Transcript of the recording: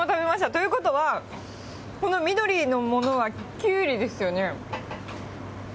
ということは、この緑のものはキュウリですよね？